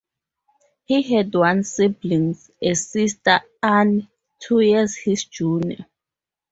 He had one sibling, a sister, Anne, two years his junior.